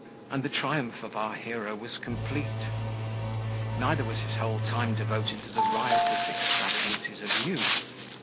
and the triumph of our hero was complete. Neither was his whole time devoted to the riotous extravagancies of youth.